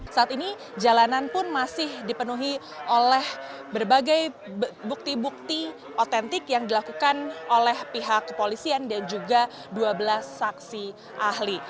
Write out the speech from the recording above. saat ini jalanan pun masih dipenuhi oleh berbagai bukti bukti otentik yang dilakukan oleh pihak kepolisian dan juga dua belas saksi ahli